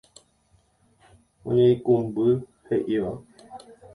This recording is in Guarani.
Oñeikũmby he'íva.